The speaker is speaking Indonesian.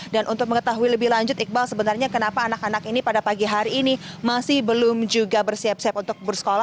dan untuk mengetahui lebih lanjut iqbal sebenarnya kenapa anak anak ini pada pagi hari ini masih belum juga bersiap siap untuk bersekolah